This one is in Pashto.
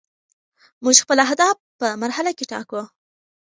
موږ خپل اهداف په مرحله کې ټاکو.